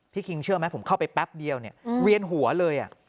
คิงเชื่อไหมผมเข้าไปแป๊บเดียวเนี่ยเวียนหัวเลย